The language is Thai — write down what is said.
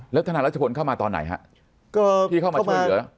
แล้วธนาฬัชบนเข้ามาตอนไหนครับ